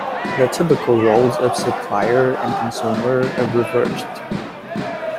The typical roles of supplier and consumer are reversed.